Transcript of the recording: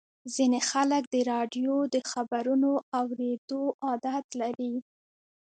ځینې خلک د راډیو د خبرونو اورېدو عادت لري.